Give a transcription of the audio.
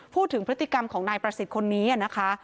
พูดถึงพฤติกรรมของนายประสิทธิ์คนนี้นะคะ